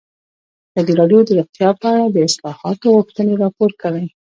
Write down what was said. ازادي راډیو د روغتیا په اړه د اصلاحاتو غوښتنې راپور کړې.